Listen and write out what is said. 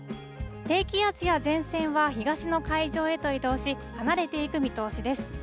低気圧や前線は東の海上へと移動し、離れていく見通しです。